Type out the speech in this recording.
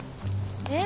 え？